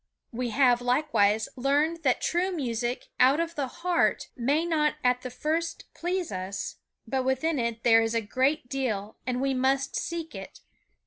We have, likewise, learned that true music, out of the heart, may not at the first please us, but within it there is a great deal and we must seek it.